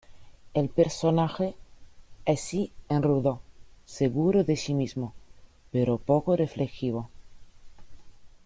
El personaje en sí es rudo, seguro de sí mismo, pero poco reflexivo.